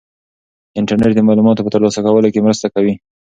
انټرنيټ د معلوماتو په ترلاسه کولو کې مرسته کوي.